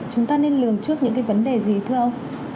chúng ta nên lường trước những cái vấn đề gì thưa ông